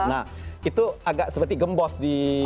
nah itu agak seperti gembos di